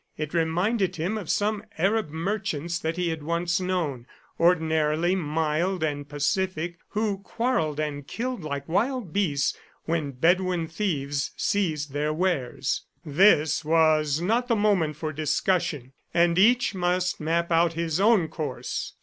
It reminded him of some Arab merchants that he had once known, ordinarily mild and pacific, who quarrelled and killed like wild beasts when Bedouin thieves seized their wares. This was not the moment for discussion, and each must map out his own course.